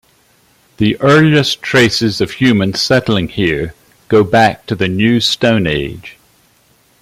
The earliest traces of humans settling here go back to the New Stone Age.